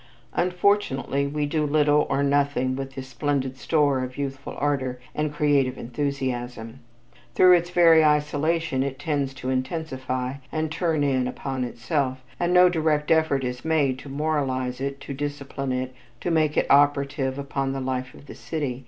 Unfortunately, we do little or nothing with this splendid store of youthful ardor and creative enthusiasm. Through its very isolation it tends to intensify and turn in upon itself, and no direct effort is made to moralize it, to discipline it, to make it operative upon the life of the city.